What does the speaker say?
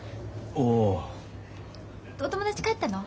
お友達帰ったの？